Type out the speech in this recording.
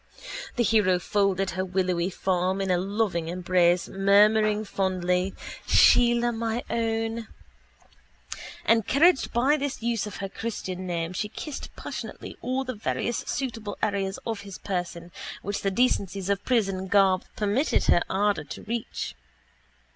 The hero folded her willowy form in a loving embrace murmuring fondly Sheila, my own. Encouraged by this use of her christian name she kissed passionately all the various suitable areas of his person which the decencies of prison garb permitted her ardour to reach.